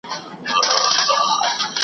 ځکه چې کوم ملت